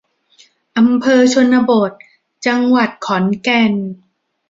อำเภอชนบท จังหวัดขอนแก่น